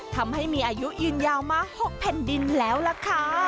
ทำให้มีอายุยืนยาวมา๖แผ่นดินแล้วล่ะค่ะ